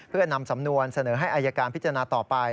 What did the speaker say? เพื่อนำสำนวนเสนอให้อายการพิจารณาต่อไป